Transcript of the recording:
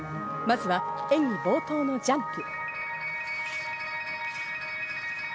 まずは演技冒頭のジャンプ。